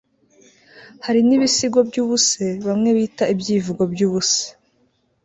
hari n'ibisigo by'ubuse bamwe bita ibyivugo by'ubuse